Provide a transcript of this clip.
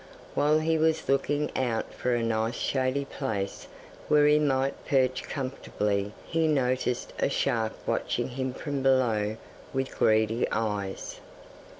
While he was looking out for a nice shady place where he might perch comfortably he noticed a shark watching him from below with greedy eyes.